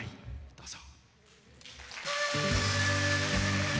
どうぞ。